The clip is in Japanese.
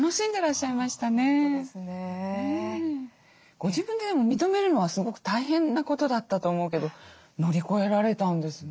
ご自分で認めるのはすごく大変なことだったと思うけど乗り越えられたんですね。